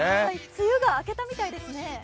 梅雨が明けたみたいですね。